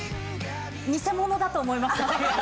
偽物だと思いました。